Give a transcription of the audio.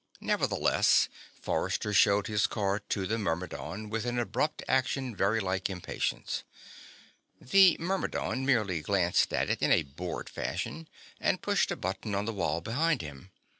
Nevertheless, Forrester showed his card to the Myrmidon with an abrupt action very like impatience. This Myrmidon merely glanced at it in a bored fashion and pushed a button on the wall behind him.